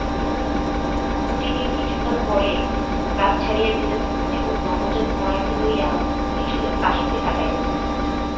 ম্যুটিনির কিছুকাল পরেই কাজ ছাড়িয়া দিলেন এবং নবজাত গোরাকে লইয়া কিছুদিন কাশীতে কাটাইলেন।